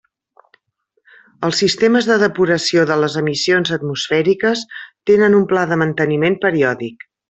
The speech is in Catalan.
Els sistemes de depuració de les emissions atmosfèriques tenen un pla de manteniment periòdic.